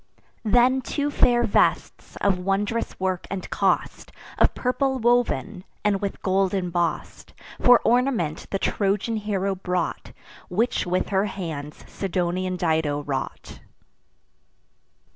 Then two fair vests, of wondrous work and cost, Of purple woven, and with gold emboss'd, For ornament the Trojan hero brought, Which with her hands Sidonian Dido wrought.